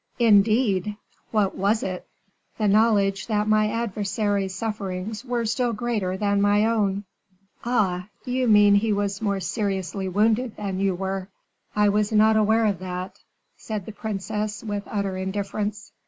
"Indeed! What was it?" "The knowledge that my adversary's sufferings were still greater than my own." "Ah! you mean he was more seriously wounded than you were; I was not aware of that," said the princess, with utter indifference.